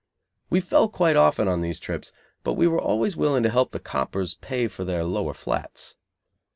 We fell quite often on these trips, but we were always willing to help the coppers pay for their lower flats.